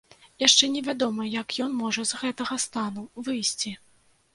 Яшчэ невядома, як ён можа з гэтага стану выйсці.